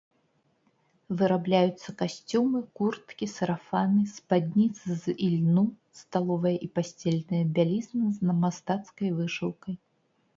Вырабляюцца касцюмы, курткі, сарафаны, спадніцы з ільну, сталовая і пасцельная бялізна з мастацкай вышыўкай.